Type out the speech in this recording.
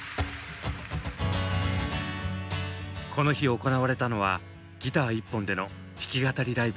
この日行われたのはギター１本での弾き語りライブ。